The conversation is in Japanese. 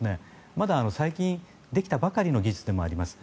まだ最近できたばかりの技術でもあります。